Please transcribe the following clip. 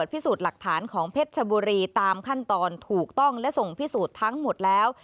พิสูจน์หลักฐานของเพชรชบุรีตามขั้นตอนถูกต้องและส่งพิสูจน์ทั้งหมดแล้ว